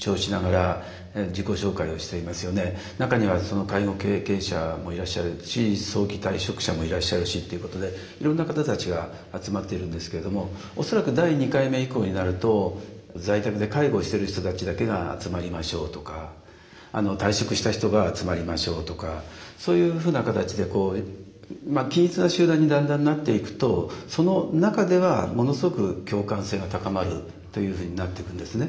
中には介護経験者もいらっしゃるし早期退職者もいらっしゃるしということでいろんな方たちが集まってるんですけれども恐らく第２回目以降になると在宅で介護をしている人たちだけが集まりましょうとか退職した人が集まりましょうとかそういうふうな形で均一な集団にだんだんなっていくとその中ではものすごく共感性が高まるというふうになっていくんですね。